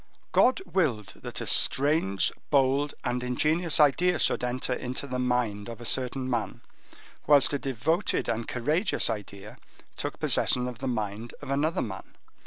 God willed that a strange, bold, and ingenious idea should enter into the mind of a certain man, whilst a devoted and courageous idea took possession of the mind of another man.